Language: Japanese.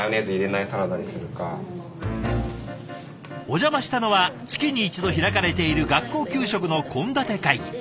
お邪魔したのは月に一度開かれている学校給食の献立会議。